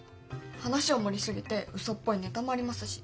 話を盛り過ぎてうそっぽいネタもありますし。